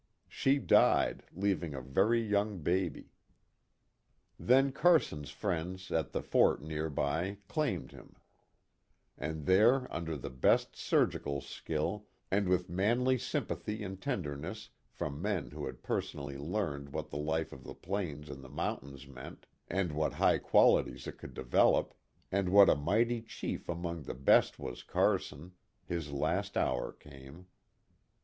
She died, leaving a very young baby. KIT CARSON. 49 Then Carson's friends at the fort near by claimed him ; and there under the best surgical skill, and with manly sympathy and tenderness from men who had personally learned what the life of the plains and the mountains meant, and what high qualities it could develop, and what a mighty chief among the best was Carson, his last hour came.